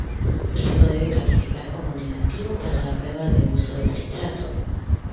Esto se debe calificar como negativo para la prueba de uso de citrato.